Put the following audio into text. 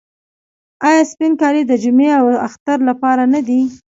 آیا سپین کالي د جمعې او اختر لپاره نه دي؟